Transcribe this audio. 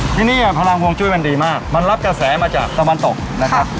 ที่นี่พลังฮวงจุ้ยมันดีมากมันรับกระแสมาจากตะวันตกนะครับ